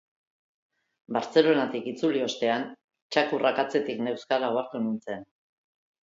Bartzelonatik itzuli ostean, txakurrak atzetik neuzkala ohartu nintzen.